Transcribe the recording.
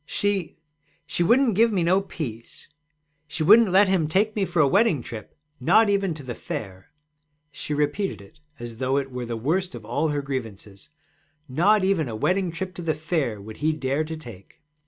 'She she wouldn't give me no peace. She wouldn't let him take me for a wedding trip, not even to the Fair.' She repeated it as though it were the worst of all her grievances: 'Not even a wedding trip to the Fair would he dare to take.'